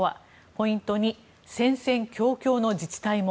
ポイント２戦々恐々の自治体も。